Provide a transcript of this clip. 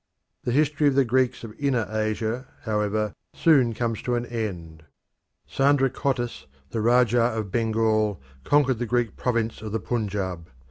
The history of the Greeks of Inner Asia, however soon comes to an end. Sandracottus, the Rajah of Bengal, conquered the Greek province of the Punjab.